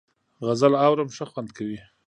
غزل اورم ښه خوند کوي .